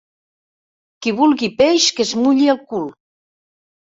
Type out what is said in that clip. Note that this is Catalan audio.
Qui vulgui peix que es mulli el cul.